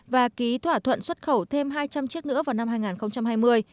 và ký thỏa thuận xuất khẩu thêm hai trăm linh chiếc nữa vào năm hai nghìn hai mươi